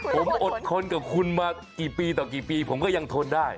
ผมอดทนกับคุณมากี่ปีต่อกี่ปีผมก็ยังทนได้